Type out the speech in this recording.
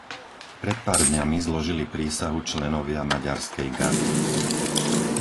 Pred pár dňami zložili prísahu členovia maďarskej gardy.